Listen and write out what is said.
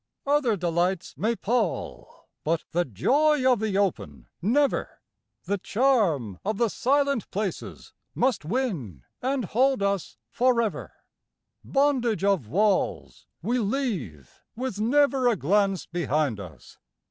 Other delights may pall, but the joy of the open never; The charm of the silent places must win and hold us forever ; Bondage of walls we leave with never a glance be hind us.